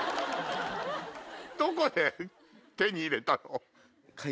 どこで手に入れたの？